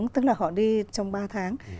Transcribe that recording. tức là họ đi trong ba tháng